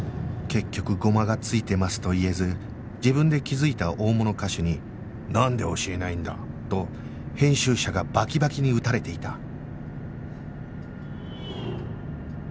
結局「ゴマが付いてます」と言えず自分で気づいた大物歌手に「なんで教えないんだ？」と編集者がバキバキに打たれていた